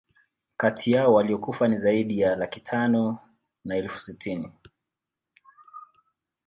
Kati yao waliokufa ni zaidi ya laki tano na elfu sitini